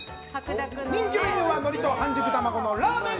人気メニューはのりと半熟玉子のラーメン